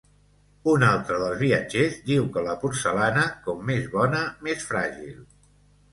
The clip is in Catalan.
Un altre dels viatgers diu que la porcellana com més bona, més fràgil.